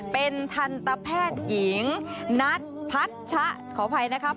เป็นทันทะแพทยิงนัทพจชะขออภัยนะครับ